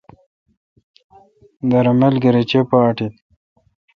دِر املگر اے چے° اٹیل۔